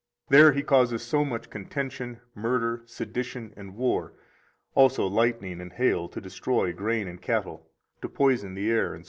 There he causes so much contention, murder, sedition, and war, also lightning and hail to destroy grain and cattle, to poison the air, etc.